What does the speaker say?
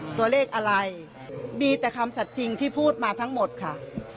ตัวเลขอะไรมีแต่คำสัดจริงที่พูดมาทั้งหมดค่ะ